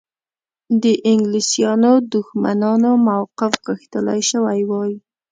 د انګلیسیانو دښمنانو موقف غښتلی شوی وای.